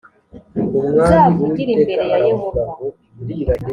uzavugire imbere ya yehova